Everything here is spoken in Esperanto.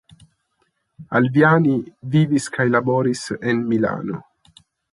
Alviani vivis kaj laboris en Milano.